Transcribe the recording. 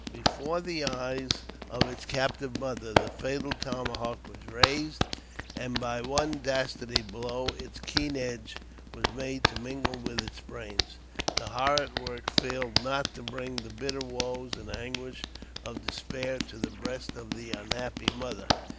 Before the eyes of its captive mother the fatal tomahawk was raised, and by one dastard blow its keen edge was made to mingle with its brains. The horrid work failed not to bring the bitter woes and anguish of despair to the breast of the unhappy mother.